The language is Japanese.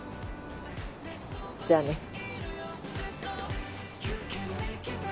じゃあね。